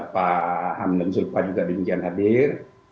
pak hamdan zulfa juga bingkian hadir